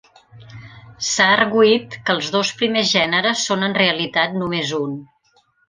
S'ha arguït que els dos primers gèneres són en realitat només un.